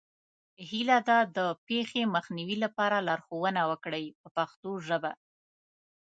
هیله ده د پېښې مخنیوي لپاره لارښوونه وکړئ په پښتو ژبه.